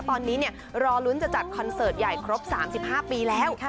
ตอนนี้รอลุ้นจะจัดคอนเสิร์ตใหญ่ครบ๓๕ปีแล้ว